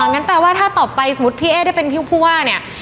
งั้นแปลว่าถ้าต่อไปสมมุติพี่เอ๊ได้เป็นพี่ผู้ว่าเนี่ย